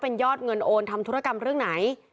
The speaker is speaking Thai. เป็นยอดเงินโอนทำธุรกรรมเรื่องไหน